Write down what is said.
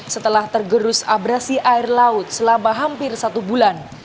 setelah tergerus abrasi air laut selama hampir satu bulan